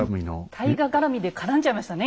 大河絡みで絡んじゃいましたね